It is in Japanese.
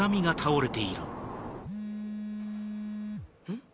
ん？